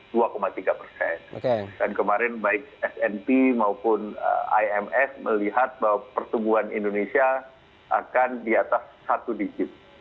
dan kemarin baik smp maupun ims melihat bahwa pertumbuhan indonesia akan di atas satu digit